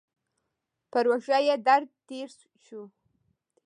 پر اوږه یې درد تېر شو.